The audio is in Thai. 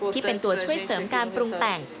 ที่เป็นตัวช่วยเสริมการปรุงแต่ง